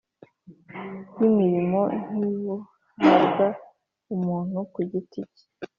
y’imirimo, ntibuhabwa umuntu ku giti ke;